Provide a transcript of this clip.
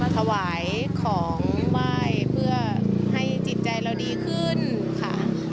ถวายของไหว้เพื่อให้จิตใจเราดีขึ้นค่ะ